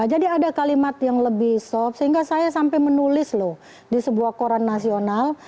jadi ada kalimat yang lebih sop sehingga saya sampai menulis loh di sebuah koran nasional